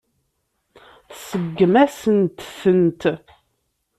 Tseggem-asent-tent.